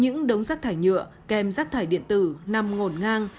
những đống rác thải nhựa kèm rác thải điện tử nằm ngổn ngang